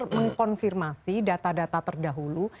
mengkonfirmasi data data terdahulu